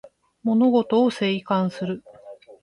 物事を静観する